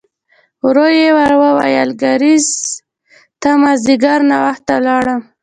ورو يې وویل: کارېز ته مازديګر ناوخته لاړم.